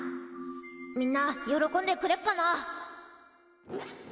みんな喜んでくれっかな。